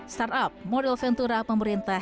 startup model ventura pemerintah